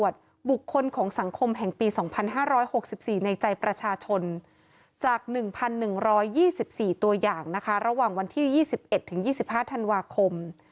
ทุกอย่างนะคะระหว่างวันที่๒๑๒๕ธันวาคม